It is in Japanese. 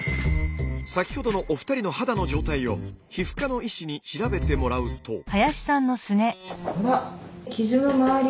先ほどのお二人の肌の状態を皮膚科の医師に調べてもらうと。